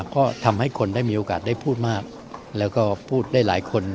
ก็ทำให้คนได้มีโอกาสได้พูดมากแล้วก็พูดได้หลายคน